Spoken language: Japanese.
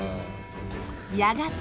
やがて。